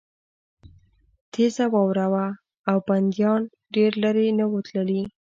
تېزه واوره وه او بندیان ډېر لېرې نه وو تللي